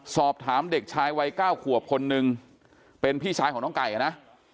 สอบถามเด็กชายวัย๙ขวบคนนึงเป็นพี่ชายของน้องไก่นะ